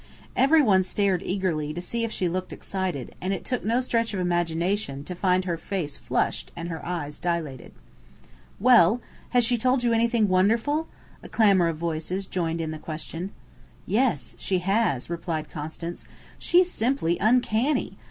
Everyone stared eagerly to see if she looked excited, and it took no stretch of imagination to find her face flushed and her eyes dilated. "Well? Has she told you anything wonderful?" A clamour of voices joined in the question. "Yes, she has," replied Constance. "She's simply uncanny!